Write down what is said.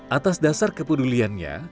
atas dasar kepeduliannya